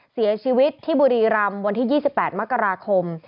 เสียชีวิตที่บุรีรำวันที่๒๘มกราคม